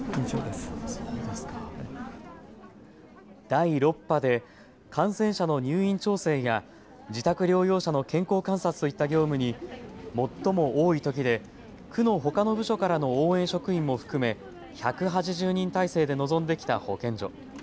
第６波で感染者の入院調整や自宅療養者の健康観察といった業務に最も多いときで区のほかの部署からの応援職員も含め１８０人体制で臨んできた保健所。